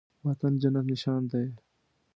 وطن جنت نشان دی